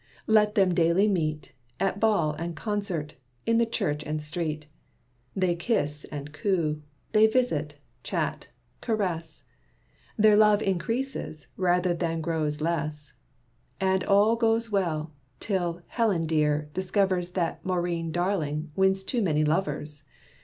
Let them daily meet At ball and concert, in the church and street, They kiss and coo, they visit, chat, caress; Their love increases, rather than grows less; And all goes well, till 'Helen dear' discovers That 'Maurine darling' wins too many lovers.